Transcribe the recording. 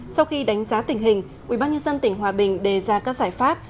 sau khi đánh giá tình hình quỹ ban nhân dân tỉnh hòa bình đề ra các giải pháp